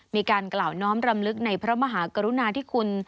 มีการกล่าวน้อมรำลึกในพระมหากรุณาธิคุณ